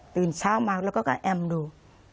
ตื่นเช้ามาแล้วก็แอมดู